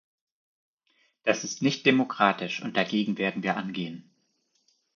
Das ist nicht demokratisch, und dagegen werden wir angehen.